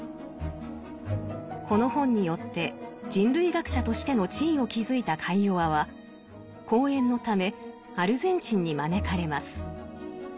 この本によって人類学者としての地位を築いたカイヨワは講演のためアルゼンチンに招かれます。